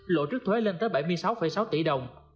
lộ trước thuế lên tới bảy mươi sáu sáu tỷ đồng